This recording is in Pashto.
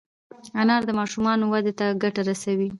انار د ماشومانو وده ته ګټه رسوي.